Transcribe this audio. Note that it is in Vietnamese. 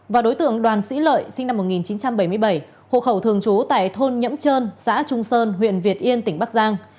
và đối tượng đoàn sĩ lợi sinh năm một nghìn chín trăm bảy mươi bảy hộ khẩu thường trú tại thôn nhẫm trơn xã trung sơn huyện việt yên tỉnh bắc giang